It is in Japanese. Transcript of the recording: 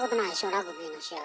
ラグビーの試合。